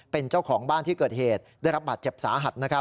เป็นเจ้าของบ้านที่เกิดเหตุได้รับบาดเจ็บสาหัส